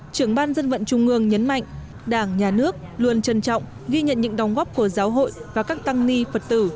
trưởng ban dân vận trung ương nhấn mạnh đảng nhà nước luôn trân trọng ghi nhận những đóng góp của giáo hội và các tăng ni phật tử